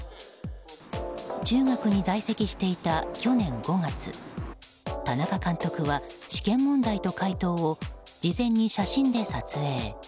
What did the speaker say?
中学に在籍していた去年５月田中監督は試験問題と解答を事前に写真で撮影。